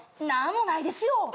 なんもないですよ。